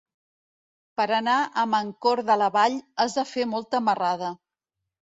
Per anar a Mancor de la Vall has de fer molta marrada.